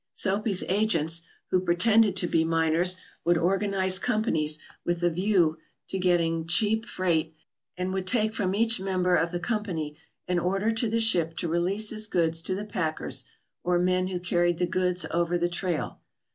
Soapy's agents, who pretended to be miners, would organize companies with a view to getting cheap 101 ALASKA OUR NORTHERN WONDERLAND freight and would take from each member of the com pany an order to the ship to release his goods to the packers, or men who carried the goods over the trail.